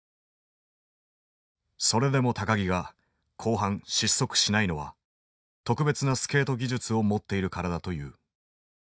それでも木が後半失速しないのは特別なスケート技術を持っているからだという。